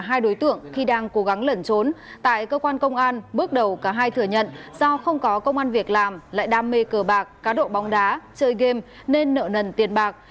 hai đối tượng khi đang cố gắng lẩn trốn tại cơ quan công an bước đầu cả hai thừa nhận do không có công an việc làm lại đam mê cờ bạc cá độ bóng đá chơi game nên nợ nần tiền bạc